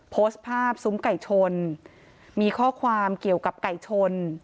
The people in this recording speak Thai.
โพสต์ภาพซุ้มไก่ชนมีข้อความเกี่ยวกับไก่ชน